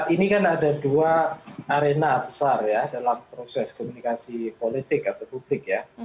ini kan ada dua arena besar ya dalam proses komunikasi politik atau publik ya